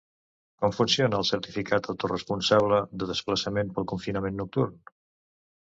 Com funciona el certificat autoresponsable de desplaçament pel confinament nocturn?